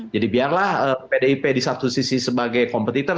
jadi biarlah pdip di satu sisi sebagai kompetitor